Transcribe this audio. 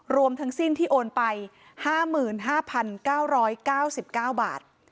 รวมทั้งสิ้นที่โอนไป๕๕๙๙๙บาท